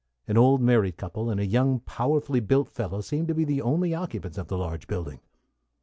An old married couple and a young and powerfully built fellow seemed to be the only occupants of the large building.